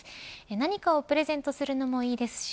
何かをプレゼントするのもいいですし